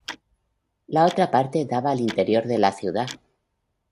La otra parte daba al interior de la ciudad.